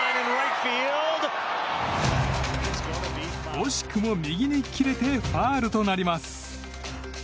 惜しくも右に切れてファウルとなります。